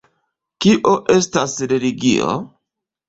Kio estas religio?